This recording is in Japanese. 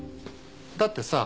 だってさあ